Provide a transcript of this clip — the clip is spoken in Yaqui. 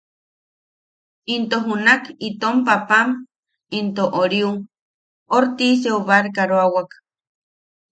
Into junak itom paapam into… oriu… Ortiseu barkaroawak.